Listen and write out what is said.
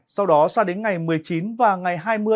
sau đó sang đến ngày một mươi chín và ngày hai mươi